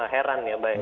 heran ya baik